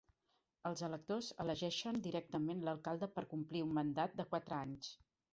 Els electors elegeixen directament l'alcalde per complir un mandat de quatre anys.